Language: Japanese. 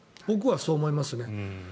僕はそう思いますね。